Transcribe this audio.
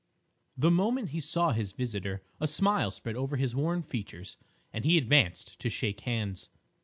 The moment he saw his visitor a smile spread over his worn features, and he advanced to shake hands.